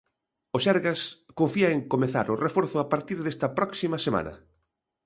O Sergas confía en comezar o reforzo a partir desta próxima semana.